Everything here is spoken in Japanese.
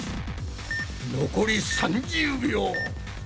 残り３０秒！